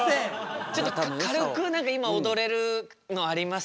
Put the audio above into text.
ちょっと軽く何か今おどれるのあります？